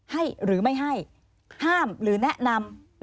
ให้หรือไม่ให้ห้ามหรือแนะนำ